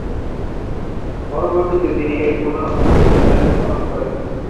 পরবর্তিতে তিনি এর প্রধান অধ্যাপকের দায়িত্ব পালন করেন।